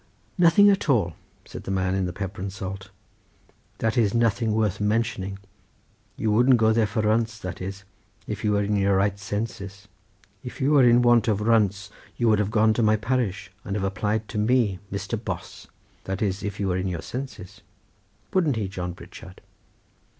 "Nothing at all," said the man in the pepper and salt; "that is nothing worth mentioning. You wouldn't go there for runts, that is if you were in your right senses; if you were in want of runts you would have gone to my parish and have applied to me Mr. Bos; that is if you were in your senses. Wouldn't he, John Pritchard?"